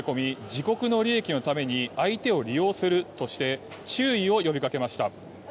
自国の利益のために相手を利用するとして注意を呼びかけました。